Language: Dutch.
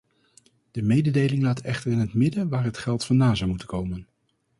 De mededeling laat echter in het midden waar het geld vandaan zou moeten komen.